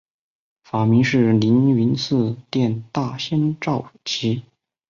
法名是灵云寺殿大仙绍其。